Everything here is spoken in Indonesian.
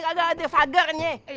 kagak ada fagernya